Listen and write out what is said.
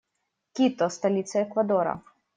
Кито - столица Эквадора.